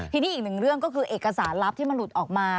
ทีนี้อีกหนึ่งเรื่องก็คือเอกสารลับที่มันหลุดออกมา